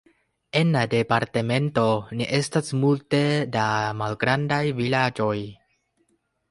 En la departemento ne estas multe da malgrandaj vilaĝoj.